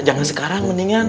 jangan sekarang mendingan